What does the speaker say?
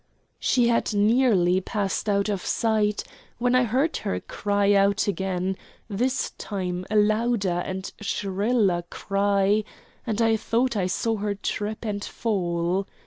She had nearly passed out of sight when I heard her cry out again, this time a louder and shriller cry, and I thought I saw her trip and fall.